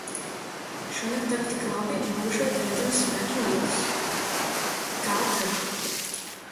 Šonakt tak tik labi būšot redzams zvaigžņu lietus. Kā tad!